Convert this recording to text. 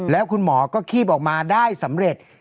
แล้วคุณหมอก็คีบออกมาได้สำเร็จ